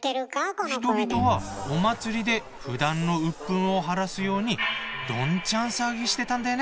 人々はお祭りでふだんの鬱憤を晴らすようにどんちゃん騒ぎしてたんだよね。